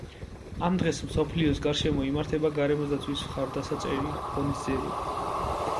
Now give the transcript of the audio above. ამ დღეს მსოფლიოს გარშემო იმართება გარემოს დაცვის მხარდასაჭერი ღონისძიებები.